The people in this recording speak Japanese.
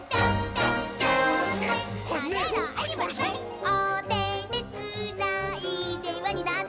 「おててつないでわになって」